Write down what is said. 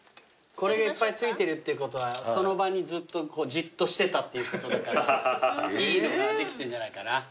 これがいっぱい付いてるってことはその場にずっとじっとしてたっていうことだからいいのができてんじゃないかな。